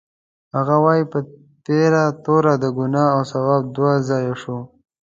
هغه وایي: په تېره توره د ګناه او ثواب دوه ځایه شو.